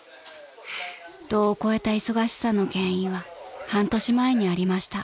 ［度を越えた忙しさの原因は半年前にありました］